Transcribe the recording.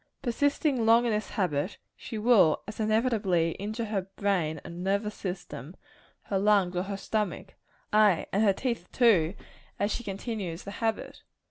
Persisting long in this habit, she will as inevitably injure her brain and nervous system, her lungs or her stomach ay, and her teeth too as she continues the habit.